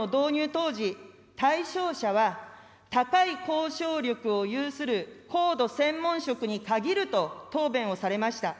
当時、対象者は高い交渉力を有する高度専門職に限ると答弁をされました。